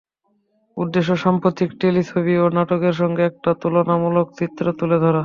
উদ্দেশ্য, সাম্প্রতিক টেলিছবি ও নাটকের সঙ্গে একটা তুলনামূলক চিত্র তুলে ধরা।